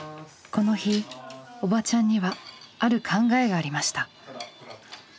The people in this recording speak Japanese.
この日おばちゃんにはある考えがありました。